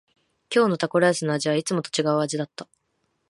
今日のタコライスの味はいつもと違う味だった。